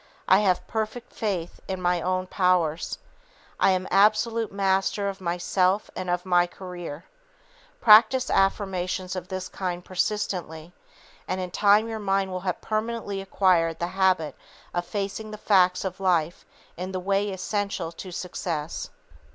I have perfect faith in my own powers! I am absolute master of myself and of my career!" Practice affirmations of this kind persistently, and in time your mind will have permanently acquired the habit of facing the facts of life in the way essential to success.